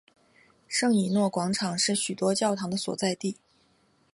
圣以诺广场是许多教堂的所在地。